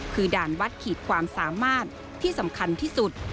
คือด่านวัดขีดความสามารถที่สำคัญที่สุด